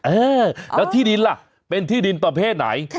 เออแล้วที่ดินล่ะเป็นที่ดินประเภทไหน